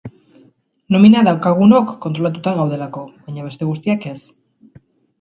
Nomina daukagunok kontrolatuta gaudelako, baina beste guztiak ez.